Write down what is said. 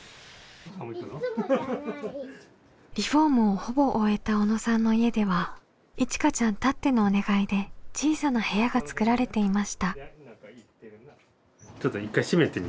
リフォームをほぼ終えた小野さんの家ではいちかちゃんたってのお願いで小さな部屋が作られていました。